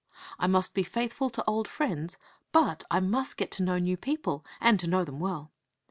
I must be faithful to old friends, but I must get to know new people and to know them well.